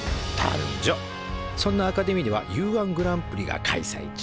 そんなアカデミーではＵー１グランプリが開催中。